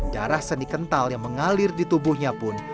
darah seni kental yang mengalir di tubuhnya pun